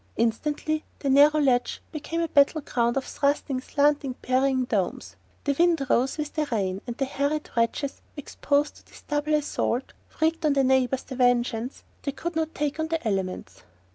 Instantly the narrow ledge became a battle ground of thrusting, slanting, parrying domes. The wind rose with the rain, and the harried wretches exposed to this double assault wreaked on their neighbours the vengeance they could not take on the elements.